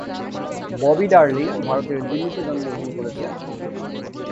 ববি ডার্লিং ভারতের দিল্লিতে জন্মগ্রহণ করেছেন।